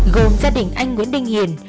gồm gia đình anh nguyễn đinh hiền